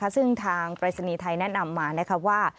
ซึ่งทางปรายศนีย์ไทยแนะนำมาว่า